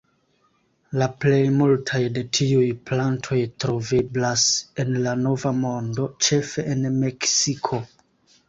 La plej multaj de tiuj plantoj troveblas en la Nova Mondo, ĉefe en Meksiko.